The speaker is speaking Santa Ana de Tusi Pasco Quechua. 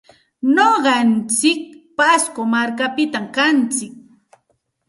Nuqantsik pasco markapitam kantsik.